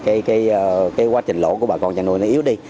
cái quá trình lỗ của bà con chăn nuôi nó yếu đi